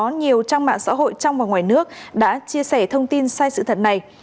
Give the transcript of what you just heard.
nhiều trang mạng xã hội trong và ngoài nước đã chia sẻ thông tin sai sự thật này